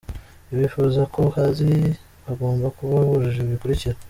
Abifuza ako kazi bagomba kuba bujuje ibi bikurikira :.